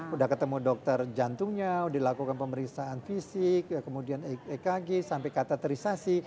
sudah ketemu dokter jantungnya dilakukan pemeriksaan fisik kemudian ekg sampai kata terisasi